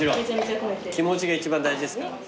気持ちが一番大事ですから。